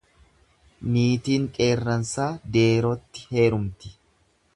Niitiin qeerransaa deerootti heerumti.